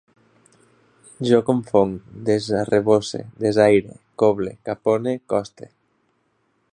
Jo confonc, desarrebosse, desaire, coble, capone, coste